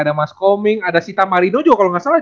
ada mas koming ada sita marido juga kalau nggak salah